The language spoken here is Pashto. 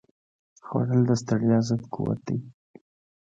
خوړل د ستړیا ضد قوت دی